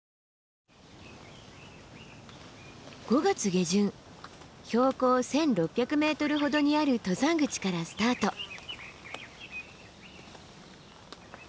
５月下旬標高１，６００ｍほどにある登山口からスタート。